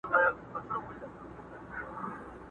هسي نه چي یې یوې خواته لنګر وي؛